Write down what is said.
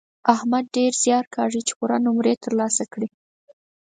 احمد ډېر زیار کاږي چې پوره نومرې تر لاسه کړي.